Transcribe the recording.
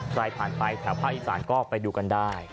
ใครผ่านไปแถวภาคอีสานก็ไปดูกันได้